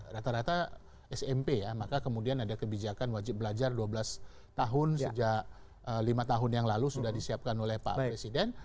rata rata smp ya maka kemudian ada kebijakan wajib belajar dua belas tahun sejak lima tahun yang lalu sudah disiapkan oleh pak presiden